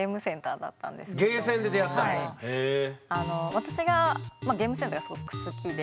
私がゲームセンターがすごく好きで。